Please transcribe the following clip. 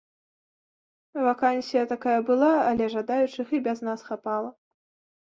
Вакансія такая была, але жадаючых і без нас хапала.